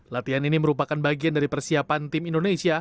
latihan ini merupakan bagian dari persiapan tim indonesia